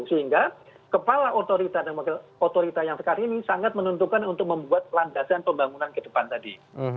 sehingga kepala otorita dan otorita yang sekarang ini sangat menentukan untuk membuat landasan pembangunan ke depan tadi